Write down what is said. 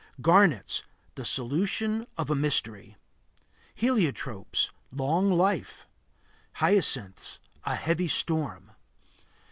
Garnets The solution of a mystery. Heliotropes Long life. Hyacinths A heavy storm.